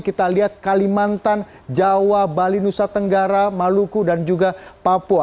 kita lihat kalimantan jawa bali nusa tenggara maluku dan juga papua